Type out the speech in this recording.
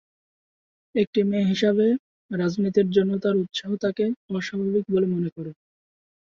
একটি মেয়ে হিসাবে রাজনীতির জন্য তার উত্সাহ তাকে "অস্বাভাবিক" বলে মনে করে।